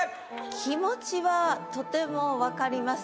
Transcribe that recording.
気持ちはとてもわかります。